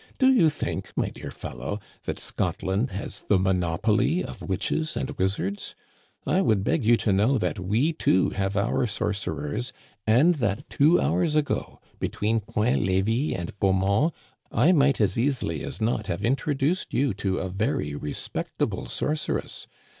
Do you think, my dear fellow, that Scotland has the monopoly of witches and wizards ? I would beg you to know that we too have our sorcerers ; and that two hours ago, between Point Levis and Beaumont, I might as easily as not have in troduced you to a very respectable sorceress.